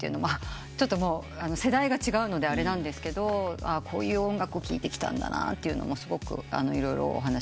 ちょっと世代が違うのであれなんですけどこういう音楽を聴いてきたんだなというのもすごく色々お話ししてくださって。